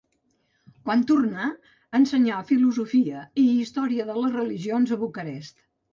Quan tornà, ensenyà filosofia i història de les religions a Bucarest.